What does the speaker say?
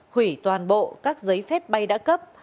hủy toàn bộ các giấy phép bay đã cấp